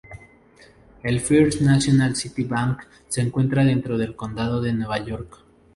El First National City Bank se encuentra dentro del condado de Nueva York.